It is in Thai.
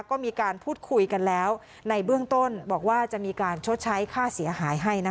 ก็มีการพูดคุยกันแล้วในเบื้องต้นบอกว่าจะมีการชดใช้ค่าเสียหายให้